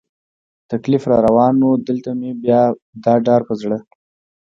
په تکلیف را روان و، دلته مې بیا دا ډار په زړه.